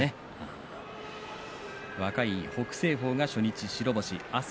若い北青鵬が初日白星。